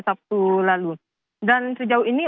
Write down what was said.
sabtu lalu dan sejauh ini